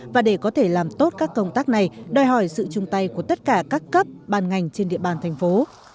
và để có thể làm tốt các công tác này đòi hỏi sự chung tay của tất cả các cấp ban ngành trên địa bàn thành phố